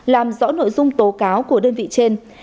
làm rõ nội dung tố cáo của đơn vị trên